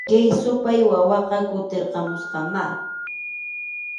Kay supay wawaqa kutirqamusqamá